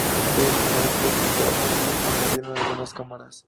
Se eliminaron puestos de armas y se añadieron algunas cámaras.